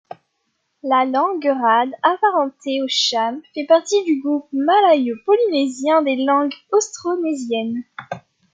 La langue rhade, apparentée au cham, fait partie du groupe malayo-polynésien des langues austronésiennes.